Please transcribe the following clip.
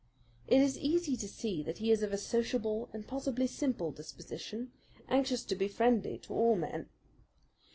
It is easy to see that he is of a sociable and possibly simple disposition, anxious to be friendly to all men.